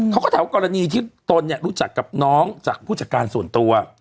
เขาก็ถามว่ากรณีที่ตนเนี่ยรู้จักกับน้องจากผู้จัดการส่วนตัว